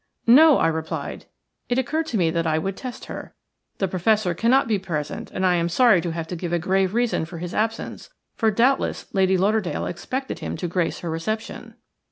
"No," I replied. It occurred to me that I would test her. "The Professor cannot be present, and I am sorry to have to give a grave reason for his absence, for doubtless Lady Lauderdale expected him to grace her reception."